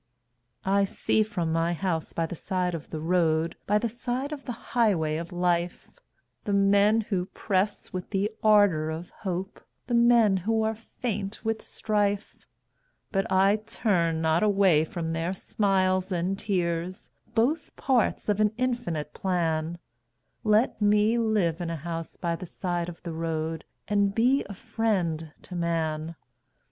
I see from my house by the side of the road By the side of the highway of life, The men who press with the ardor of hope, The men who are faint with the strife, But I turn not away from their smiles and tears, Both parts of an infinite plan Let me live in a house by the side of the road And be a friend to man.